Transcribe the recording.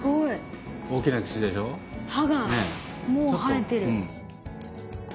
歯がもう生えてる。